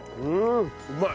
うまい。